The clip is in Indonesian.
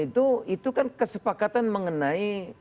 itu kan kesepakatan mengenai